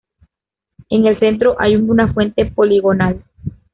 En el centro hay una fuente poligonal.